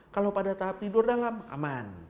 kalau pada tahap tidur dalam aman